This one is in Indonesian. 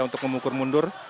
untuk memukul mundur